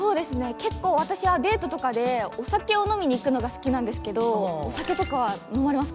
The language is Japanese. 結構私はデートとかでお酒を飲みに行くのが好きなんですけどお酒とかは飲まれますか？